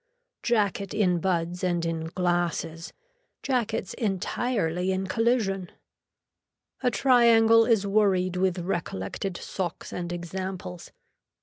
Jacket in buds and in glasses, jackets entirely in collision. A triangle is worried with recollected socks and examples.